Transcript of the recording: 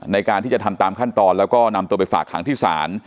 ในการที่จะทำตามขั้นตอนแล้วก็นำตัวไปฝากหางที่ศาล